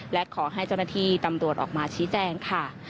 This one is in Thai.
และขอให้เจ้าหน้าที่ตำรวจออกมาชี้แจงค่ะ